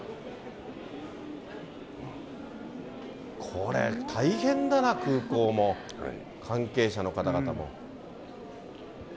これ、大変だな、空港も、関係者の方々も。